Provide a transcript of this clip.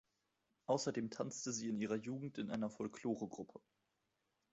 Außerdem tanzte sie in ihrer Jugend in einer Folkloregruppe.